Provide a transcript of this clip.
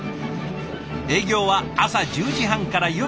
営業は朝１０時半から夜７時まで。